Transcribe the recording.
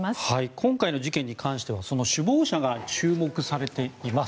今回の事件に関しては首謀者が注目されています。